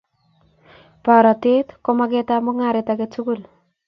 Borotet ko magetab mung'aret age tugul